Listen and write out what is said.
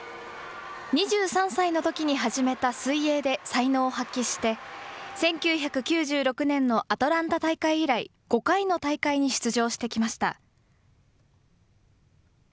２３歳のときに始めた水泳で才能を発揮して、１９９６年のアトランタ大会以来、５回の大会に出場してきました。